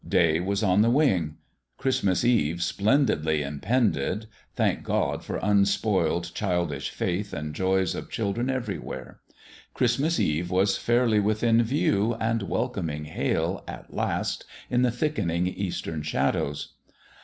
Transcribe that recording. Day was on the wing. Christ mas Eve splendidly impended thank God for unspoiled childish faith and joys of children everywhere ! Christmas Eve was fairly within view and welcoming hail, at last, in the thicken ing eastern shadows.